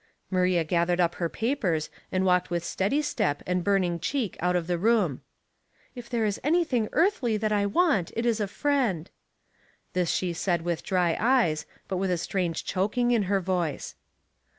Maria gathered up her papers, and walked with steady step and burning cheek out of the room. " If there is anything earthly that I want it ia a friend." This she said with dry eyes, but with a strange choking in her voice.